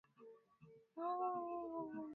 wakenya watabaki wame aa wamegawanyika